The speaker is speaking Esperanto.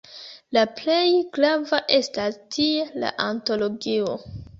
La plej grava estas tie la ontologio.